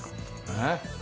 えっ？